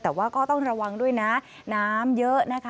แต่ว่าก็ต้องระวังด้วยนะน้ำเยอะนะคะ